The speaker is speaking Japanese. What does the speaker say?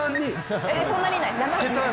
そんなにいない？